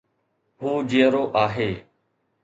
هو جيئرو آهي